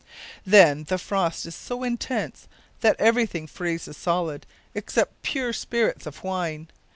Then the frost is so intense that everything freezes solid except pure spirits of wine.